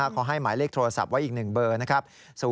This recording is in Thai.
เขาให้หมายเลขโทรศัพท์ไว้อีก๑เบอร์นะครับ